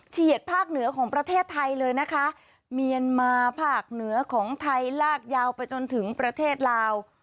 เฉียดภาคเหนือของประเทศไทยเลยนะคะเมียนมาภาคเหนือของไทยลากยาวไปจนถึงประเทศลาว